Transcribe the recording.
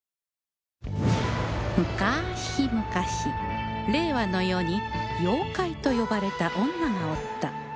むかしむかし令和の世に妖怪と呼ばれた女がおった